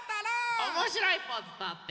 おもしろいポーズとって。